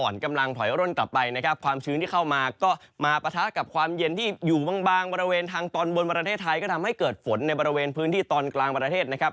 อ่อนกำลังถอยร่นกลับไปนะครับความชื้นที่เข้ามาก็มาปะทะกับความเย็นที่อยู่บางบริเวณทางตอนบนประเทศไทยก็ทำให้เกิดฝนในบริเวณพื้นที่ตอนกลางประเทศนะครับ